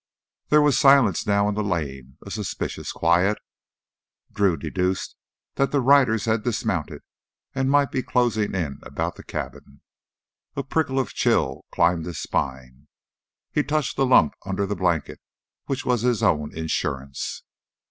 There was silence now in the lane, a suspicious quiet. Drew deduced that the riders had dismounted and might be closing in about the cabin. A prickle of chill climbed his spine. He touched the lump under the blanket which was his own insurance.